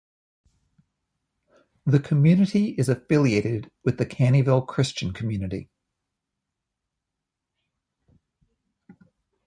The community is affiliated with the Caneyville Christian Community.